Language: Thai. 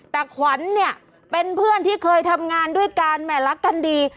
แต่ขวัญเนี่ยเป็นเพื่อนที่เคยทำงานด้วยกันแหม่รักกันดี